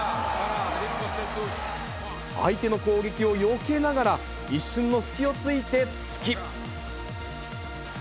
相手の攻撃をよけながら、一瞬の隙をついて、突き。